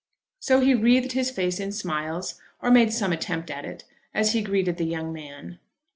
So he wreathed his face in smiles, or made some attempt at it, as he greeted the young man.